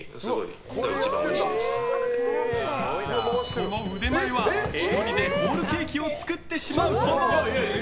その腕前は１人でホールケーキを作ってしまうほど。